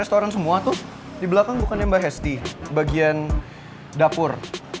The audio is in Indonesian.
restoran semua tuh di belakang bukannya mbak hesti bagian dapur